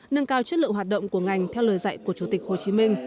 nâng cao chất lượng hoạt động của ngành theo lời dạy của chủ tịch hồ chí minh